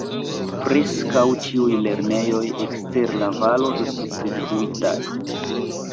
Preskaŭ ĉiuj lernejoj ekster la valo estis detruitaj.